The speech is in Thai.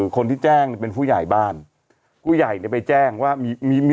คนที่แจ้งเนี่ยเป็นผู้ใหญ่บ้านผู้ใหญ่เนี่ยไปแจ้งว่ามีมี